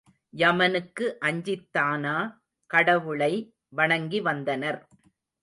யமனுக்கு அஞ்சித்தானா கடவுளை வணங்கி வந்தனர்.